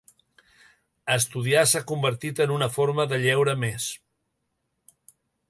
Estudiar s'ha convertit en una forma de lleure més.